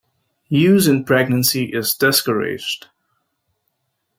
Use in pregnancy is discouraged.